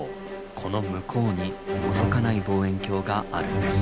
この向こうにのぞかない望遠鏡があるんです。